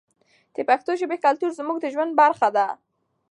د پښتو ژبې کلتور زموږ د ژوند برخه ده.